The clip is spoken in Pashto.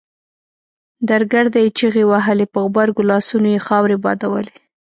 درګرده يې چيغې وهلې په غبرګو لاسونو يې خاورې بادولې.